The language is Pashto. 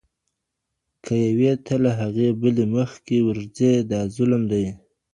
که يوې ته له هغې بلي مخکي ورځي، دا ظلم دی.